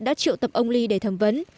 đã triệu tập ông lee để thẩm vấn